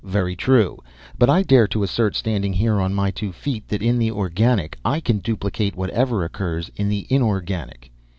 Very true. But I dare to assert, standing here on my two feet, that in the organic I can duplicate whatever occurs in the inorganic.